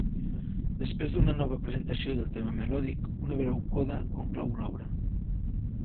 Després d'una nova presentació del tema melòdic, una breu coda conclou l'obra.